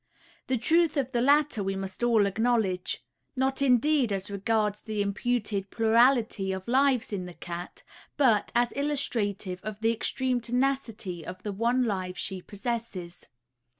The truth of the latter we must all acknowledge; not indeed as regards the imputed plurality of lives in the cat, but, as illustrative of the extreme tenacity of the one life she possesses.